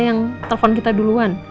yang telfon kita duluan